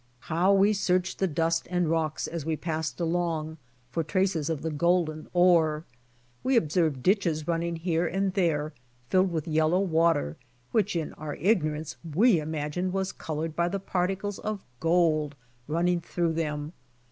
How we searched the dust and rocks as we passed along for traces of the golden ore. We observed ditches running here and there filled with yellow water which in our ignorance we imagined was colored by the particles of gold running through them.